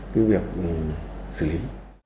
cái việc xử lý